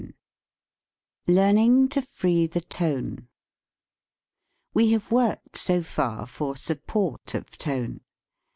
II LEARNING TO FREE THE TONE WE have worked, so far, for support of tone.